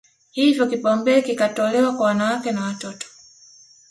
Hivyo kipaumbele kikatolewa kwa wanawake na watoto